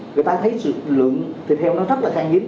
người ta thấy sự lượng thịt heo nó rất là kháng hiến